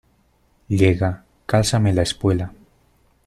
llega, cálzame la espuela.